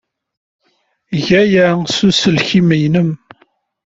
Eg aya s uselkim-nnem.